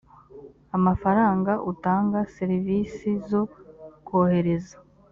amafaranga utanga serivisi zo kohereza